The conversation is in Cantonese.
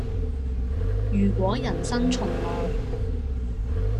如果人生重來